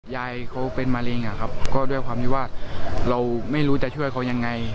ยายเขาเป็นมะเร็งอะครับก็ด้วยความที่ว่าเราไม่รู้จะช่วยเขายังไง